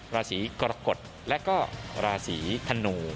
ราศีกรกฎและก็ราศีธนู